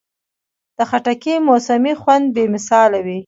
د خټکي موسمي خوند بې مثاله وي.